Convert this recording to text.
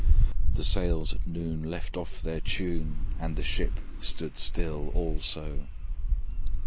The sails at noon left off their tune, And the ship stood still also.